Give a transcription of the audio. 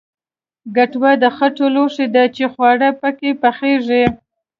کټوه د خټو لوښی دی چې خواړه پکې پخیږي